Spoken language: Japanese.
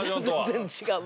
全然違う！